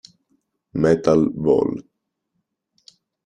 Metal vol.